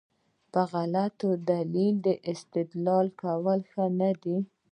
په غلط دلیل استدلال کول ښه نه دي.